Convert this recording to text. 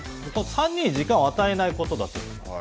３人に時間を与えないことだと思います。